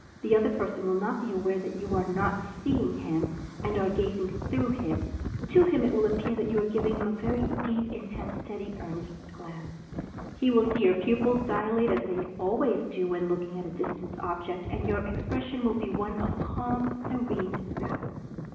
The other person will not be aware that you are not "seeing" him, and are "gazing through" him — to him it will appear that you are giving him a very deep, in tense, steady, earnest glance. He will see your pupils dilate, as they always do when looking at a distant object, and your expression will be one of calm, se rene power.